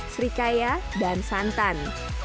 srikaya dan santan